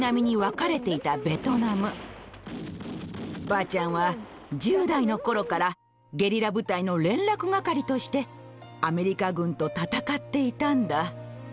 ばあちゃんは１０代の頃からゲリラ部隊の連絡係としてアメリカ軍と戦っていたんだ。